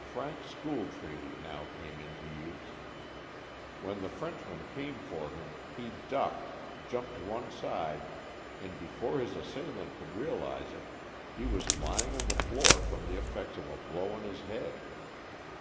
Frank's school training now came into use. When the Frenchman came for him, he "ducked," jumped one side, and before his assailant could realize it, he was lying on the floor from the effects of a blow on his head.